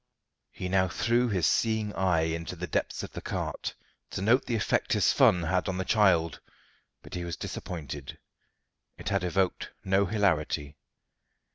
He now threw his seeing eye into the depths of the cart, to note the effect his fun had on the child, but he was disappointed. It had evoked no hilarity.